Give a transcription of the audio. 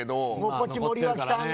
こっち森脇さん